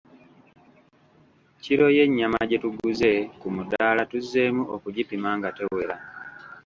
Kiro y'ennyama gye tuguze ku muddaala tuzzeemu okugipima nga tewera.